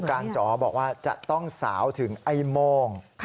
ผู้การจอบอกว่าจะต้องสาวถึงไอมอง